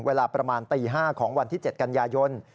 เวลาประมาณตี๕ของวันที่๗กันยายน